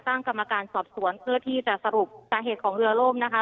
กรรมการสอบสวนเพื่อที่จะสรุปสาเหตุของเรือล่มนะคะ